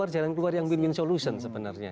jangan keluar yang bikin solution sebenarnya